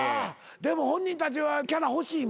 でも本人たちはキャラ欲しいもんな？